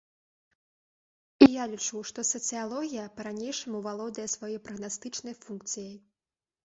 І я лічу, што сацыялогія па-ранейшаму валодае сваёй прагнастычнай функцыяй.